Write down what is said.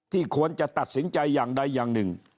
ควรจะตัดสินใจอย่างใดอย่างหนึ่ง